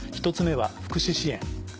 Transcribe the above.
１つ目は福祉支援。